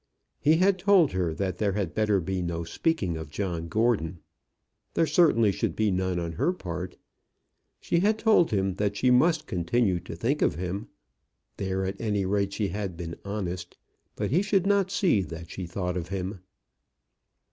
He had told her that there had better be no speaking of John Gordon. There certainly should be none on her part. She had told him that she must continue to think of him. There at any rate she had been honest. But he should not see that she thought of him.